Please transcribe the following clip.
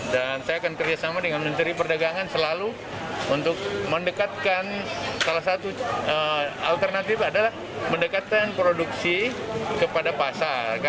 saya akan kerjasama dengan menteri perdagangan selalu untuk mendekatkan salah satu alternatif adalah mendekatkan produksi kepada pasar